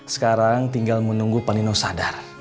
sekarang tinggal menunggu panino sadar